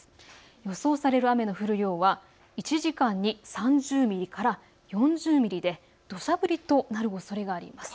予想される雨の降る量は１時間に３０ミリから４０ミリで、どしゃ降りとなるおそれがあります。